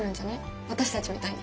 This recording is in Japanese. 私たちみたいに。